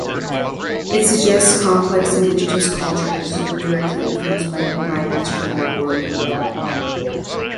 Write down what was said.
It suggests complex indigenous cultures were directly influenced by migrants from Old World Europe.